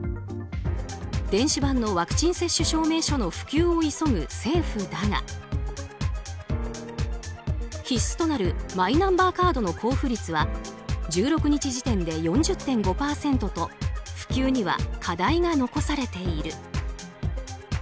電子版のワクチン接種証明書の普及を急ぐ政府だが必須となるマイナンバーカードの交付率は１６日時点で４０．５％と普及には課題が残されている。